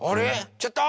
ちょっと！